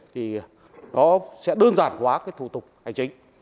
thì nó sẽ đơn giản hóa cái thủ tục hành chính